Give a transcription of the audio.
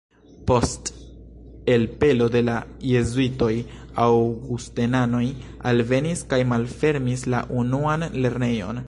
Post elpelo de la jezuitoj aŭgustenanoj alvenis kaj malfermis la unuan lernejon.